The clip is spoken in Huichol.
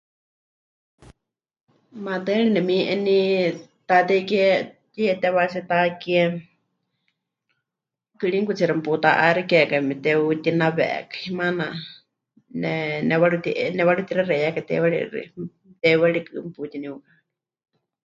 Maatɨari nemi'eni Taatei Kie mɨtiyetewatsie takie, gringotsixi meputa'axikekai mepɨteutinawekai, maana ne nepɨwarutie... nepɨwarutixexeiyakai teiwarixi, teiwarikɨ meputiniukakai.